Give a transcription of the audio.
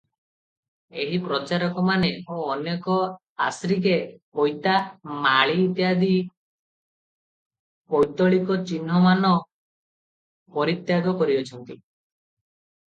ଏହି ପ୍ରଚାରକମାନେ ଓ ଅନେକ ଆଶ୍ରିକେ ପୈତା, ମାଳି ଇତ୍ୟାଦି ପୌତ୍ତଳିକ ଚିହ୍ନମାନ ପରିତ୍ୟାଗ କରିଅଛନ୍ତି ।